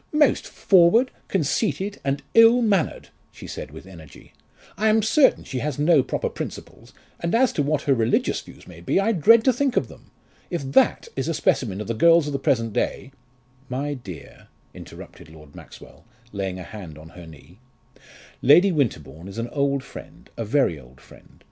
"Most forward, conceited, and ill mannered," she said with energy. "I am certain she has no proper principles, and as to what her religious views may be, I dread to think of them! If that is a specimen of the girls of the present day " "My dear," interrupted Lord Maxwell, laying a hand on her knee, "Lady Winterbourne is an old friend, a very old friend.